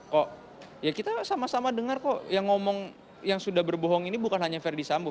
kok ya kita sama sama dengar kok yang ngomong yang sudah berbohong ini bukan hanya verdi sambo